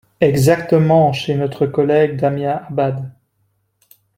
Exactement, chez notre collègue Damien Abad.